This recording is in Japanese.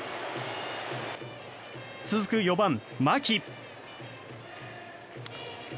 続く４番、牧。